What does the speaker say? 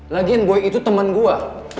lagian boy itu temen gua